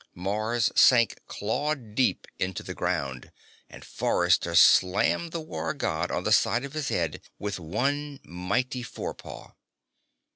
Mars sank claw deep into the ground, and Forrester slammed the War God on the side of his head with one mighty forepaw.